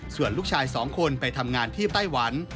ส่วนลูกชาย๒คนไปทำงานที่ไต้หวัน